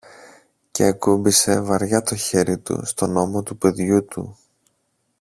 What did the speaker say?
και ακούμπησε βαριά το χέρι του στον ώμο του παιδιού του.